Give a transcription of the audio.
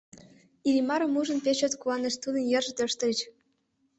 Иллимарым ужын, пеш чот куанышт, тудын йырже тӧрштыльыч.